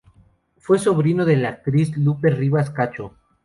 Fue sobrino de la actriz Lupe Rivas Cacho.